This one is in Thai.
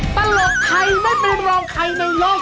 ปลอดภัยไม่มีรองไข่ในโลก